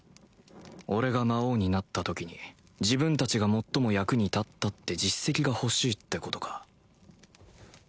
俺が魔王になった時に自分たちが最も役に立ったって実績が欲しいってことか